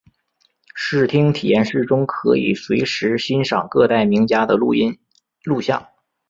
视听体验室中可以随时欣赏各代名家的录音录像。